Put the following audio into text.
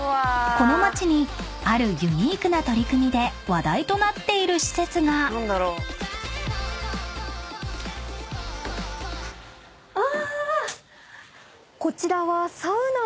［この町にあるユニークな取り組みで話題となっている施設が］あ！